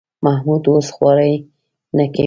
محمود اوس خواري نه کوي.